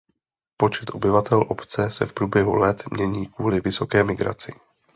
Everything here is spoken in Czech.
Počet obyvatel obce se v průběhu let mění kvůli vysoké migraci.